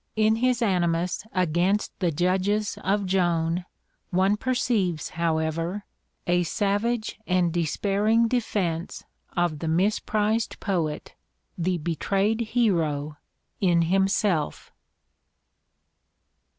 In his animus against the judges of Joan one perceives, however, a savage and despairing defense of the misprized poet, the betrayed hero, in himself.